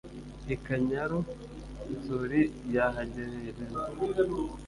i kanyura-nsuri yahagerereza.